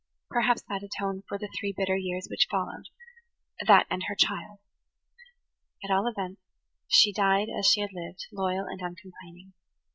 Perhaps that atoned for the three bitter years which followed–that, and her child. At all events, she died as she had lived, loyal and uncomplaining.